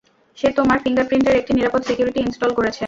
সে তোমার ফিঙ্গারপ্রিন্টের একটি নিরাপদ সিকিউরিটি ইনস্টল করেছে।